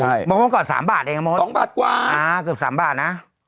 ใช่เมื่อก่อนสามบาทเองสองบาทกว่าอ่าเกือบสามบาทน่ะ